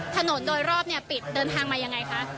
ถนนโดยรอบเนี่ยปิดเดินทางมายังไงคะ